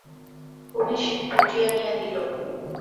উমেশ বঁটি আনিয়া দিল।